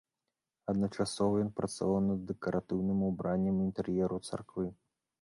Адначасова ён працаваў над дэкаратыўным убраннем інтэр'еру царквы.